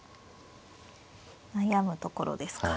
悩むところですか。